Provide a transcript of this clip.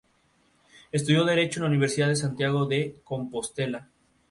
Estudio Derecho en la Universidad de Santiago de Compostela.